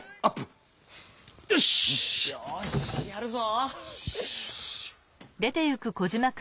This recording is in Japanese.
よしやるぞ！